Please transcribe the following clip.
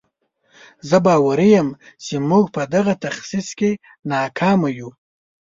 زه باوري یم چې موږ په دغه تشخیص کې ناکامه یو.